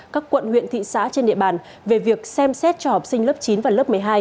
các quận huyện thị xã trên địa bàn về việc xem xét cho học sinh lớp chín và lớp một mươi hai